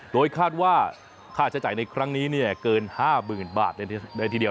โดยคาดว่าค่าใช้จ่ายในครั้งนี้เกิน๕๐๐๐บาทเลยทีเดียว